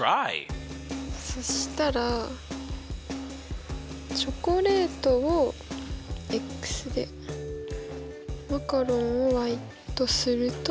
そしたらチョコレートをでマカロンをとすると。